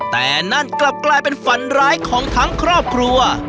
แต่นั่นกลับกลายเป็นฝันร้ายของทั้งครอบครัว